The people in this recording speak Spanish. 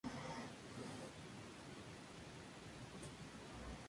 El presbiterio ocupa la parte más amplia de la planta.